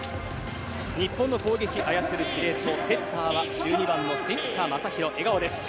日本の攻撃操る司令塔セッターは１２番の関田誠大笑顔です。